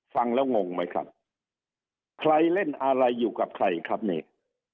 ฟังแล้วงงไหมครับใครเล่นอะไรอยู่กับใครครับนี่